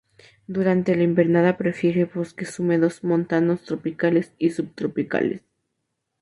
Durante la invernada prefiere bosques húmedos montanos tropicales y subtropicales.